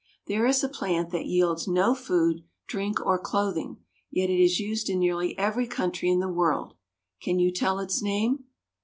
There is a plant that yields no food, drink, or clothing, yet it is used in nearly every country in the world. Can you tell its name?